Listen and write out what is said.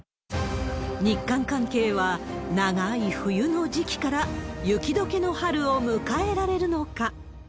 日韓関係は長い冬の時期から、雪どけの春を迎えられるのか。